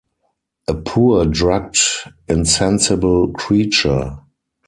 A poor, drugged insensible creature.